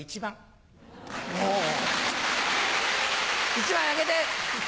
１枚あげて。